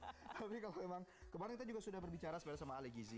tapi kalau memang kemarin kita juga sudah berbicara sebenarnya sama ali gizi